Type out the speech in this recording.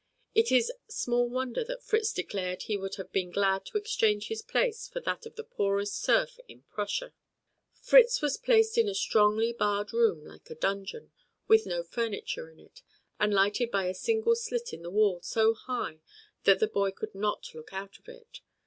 It is small wonder that Fritz declared he would have been glad to exchange his place for that of the poorest serf in Prussia. Fritz was placed in a strongly barred room like a dungeon, with no furniture in it, and lighted by a single slit in the wall so high that the boy could not look out of it.